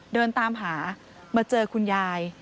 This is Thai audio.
เดินตามหามาเจอคุณยาย